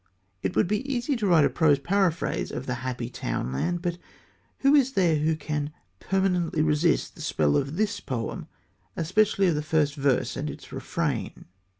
It would not be easy to write a prose paraphrase of The Happy Townland, but who is there who can permanently resist the spell of this poem, especially of the first verse and its refrain?